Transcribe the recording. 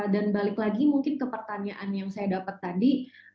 dan balik lagi mungkin ke pertanyaan yang saya dapat tadi